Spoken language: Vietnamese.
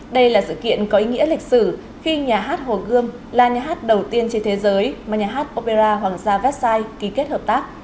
đây là sự kiện có ý nghĩa lịch sử khi nhà hát hồ gươm là nhà hát đầu tiên trên thế giới mà nhà hát opera hoàng gia vecsai ký kết hợp tác